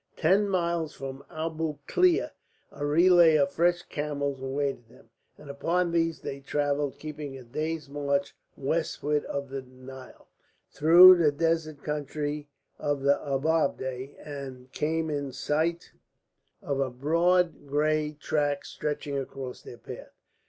Ten miles from Abu Klea a relay of fresh camels awaited them, and upon these they travelled, keeping a day's march westward of the Nile. Thence they passed through the desert country of the Ababdeh, and came in sight of a broad grey tract stretching across their path.